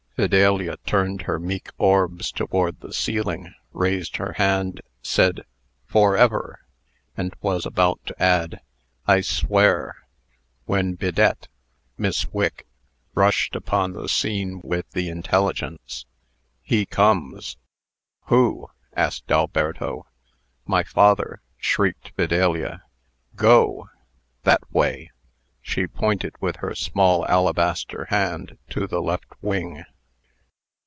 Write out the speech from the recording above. Fidelia turned her meek orbs toward the ceiling, raised her hand, said "Forever!" and was about to add, "I swear," when Bidette (Miss Wick) rushed upon the scene with the intelligence, "He comes." "Who?" asked Alberto. "My father!" shrieked Fidelia. "Go that way." She pointed with her small alabaster hand to the left wing.